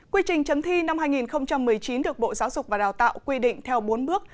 quy trình chấm thi năm hai nghìn một mươi chín được bộ giáo dục và đào tạo quy định theo bốn bước